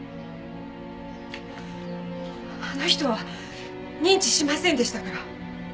あの人は認知しませんでしたから。